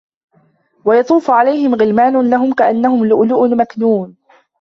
وَيَطوفُ عَلَيهِم غِلمانٌ لَهُم كَأَنَّهُم لُؤلُؤٌ مَكنونٌ